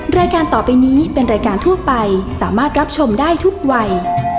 รายการต่อไปนี้เป็นรายการทั่วไปสามารถรับชมได้ทุกวัย